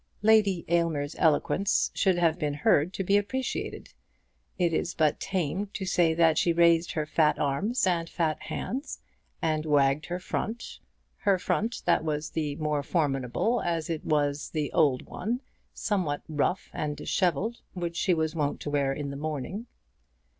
Lady Aylmer's eloquence should have been heard to be appreciated. It is but tame to say that she raised her fat arms and fat hands, and wagged her front, her front that was the more formidable as it was the old one, somewhat rough and dishevelled, which she was wont to wear in the morning.